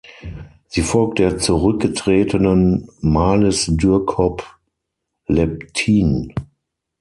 Sie folgt der zurückgetretenen Marlis Dürkop-Leptihn.